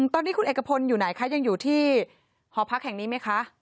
ตอนนี้คุณเอกพลอยู่ไหนคะยังอยู่ที่หอพักแห่งนี้ไหมคะ